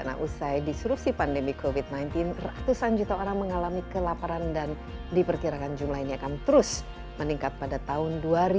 nah usai disrupsi pandemi covid sembilan belas ratusan juta orang mengalami kelaparan dan diperkirakan jumlah ini akan terus meningkat pada tahun dua ribu dua puluh